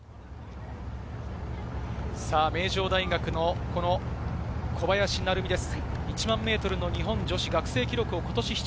名城大学の小林成美です。